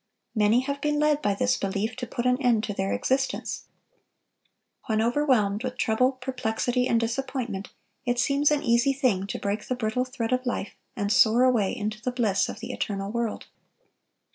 Many have been led by this belief to put an end to their existence. When overwhelmed with trouble, perplexity, and disappointment, it seems an easy thing to break the brittle thread of life, and soar away into the bliss of the eternal world.